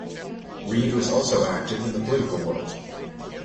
Reed was also active in the political world.